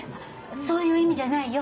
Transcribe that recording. そういう意味じゃないよ